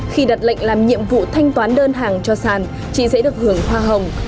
khi đặt lệnh làm nhiệm vụ thanh toán đơn hàng cho sàn chị sẽ được hưởng hoa hồng